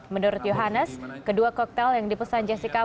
menurut johannes kedua koktel yang dipesan jessica